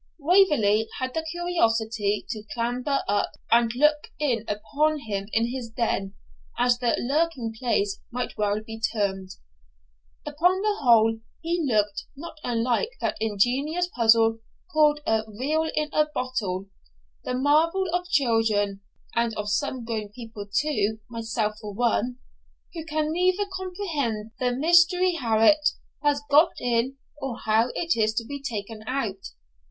Waverley had the curiosity to clamber up and look in upon him in his den, as the lurking place might well be termed. Upon the whole, he looked not unlike that ingenious puzzle called 'a reel in a bottle,' the marvel of children (and of some grown people too, myself for one), who can neither comprehend the mysteryhowit has got in or how it is to be taken out.